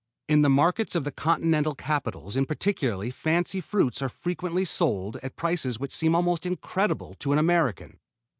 In the markets of the continental capitals in particular fancy fruits are frequently sold at prices which seem almost incredible to an American.